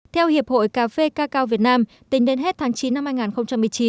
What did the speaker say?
theo hiệp hội cà phê cacao việt nam tính đến hết tháng chín năm hai nghìn một mươi chín